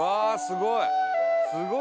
すごいな！